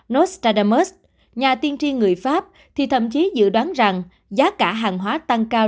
nostradamus nhà tiên tri người pháp thì thậm chí dự đoán rằng giá cả hàng hóa tăng cao